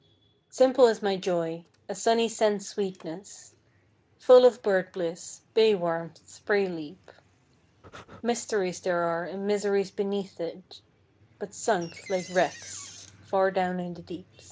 Simple is my joy, A sunny sense sweetness, Full of bird bliss, Bay warmth, spray leap. Mysteries there are And miseries beneath it, But sunk, like wrecks, Far down in the deep.